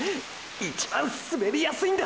一番滑りやすいんだ！！